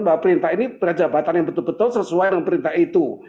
bahwa perintah ini berat jabatan yang betul betul sesuai dengan perintah itu